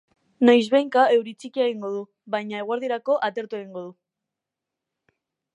Noizbehinka euri txikia egingo du, baina eguerdirako atertu egingo du.